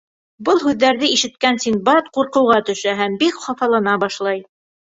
Был һүҙҙәрҙе ишеткән Синдбад ҡурҡыуға төшә һәм бик хафалана башлай.